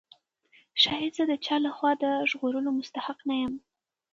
شاید زه د چا له خوا د ژغورلو مستحق نه یم.